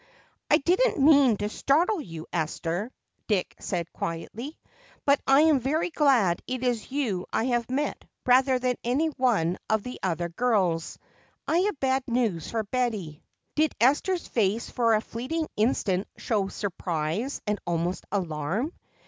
"I didn't mean to startle you, Esther," Dick said quietly, "but I am very glad it is you I have met rather than any one of the other girls. I have bad news for Betty." Did Esther's face for a fleeting instant show surprise and almost alarm?